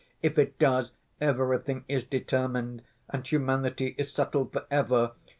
If it does, everything is determined and humanity is settled for ever.